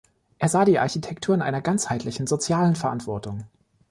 Er sah die Architektur in einer ganzheitlichen sozialen Verantwortung.